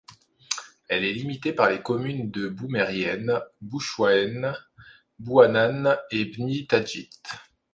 Elle est limitée par les communes de Boumerieme, Bouchaouene, Bouanane et Bni Tadjite.